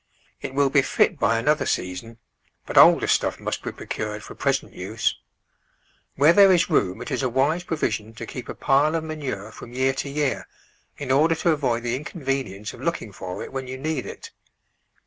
It will be fit by another season, but older stuff must be procured for present use. Where there is room it is a wise provision to keep a pile of manure from year to year, in order to avoid the inconvenience of looking for it when you need it.